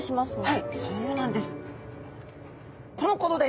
はいそうなんです。